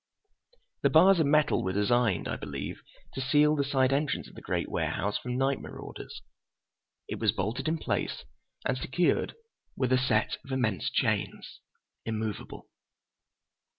The bars of metal were designed, I believe, to seal the side entrance of the great warehouse from night marauders. It was bolted in place and secured with a set of immense chains, immovable.